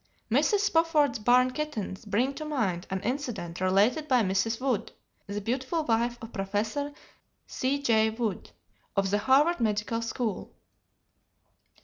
Mrs. Spofford's "barn kittens" bring to mind an incident related by Mrs. Wood, the beautiful wife of Professor C.G. Wood, of the Harvard Medical School.